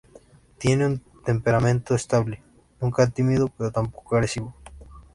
Tiene un temperamento estable; nunca tímido pero tampoco agresivo.